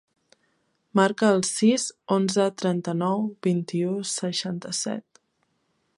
Marca el sis, onze, trenta-nou, vint-i-u, seixanta-set.